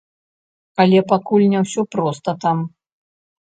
Але пакуль не ўсё проста там.